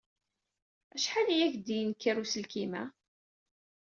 Acḥal ay ak-d-yenker uselkim-a?